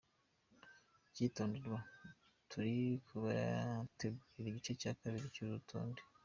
Icyitonderwa : Turi kubategurira igice cya kabiri cy’uru rutonde.